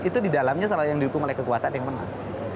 itu di dalamnya salah satu yang di dukung oleh kekuasaan yang menang